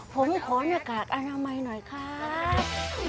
ผมขอหน้ากากอนามัยหน่อยครับ